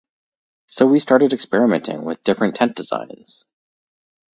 So we started experimenting with different tent designs.